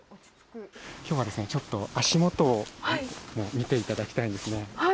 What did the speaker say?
きょうはちょっと足元を見ていただきたいんですね。